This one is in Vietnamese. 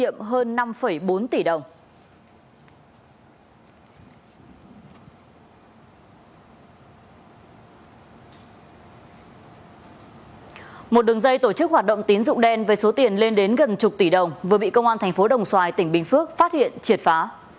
một đường dây tổ chức hoạt động tín dụng đen với số tiền lên đến gần chục tỷ đồng vừa bị công an thành phố đồng xoài tỉnh bình phước phát hiện triệt phá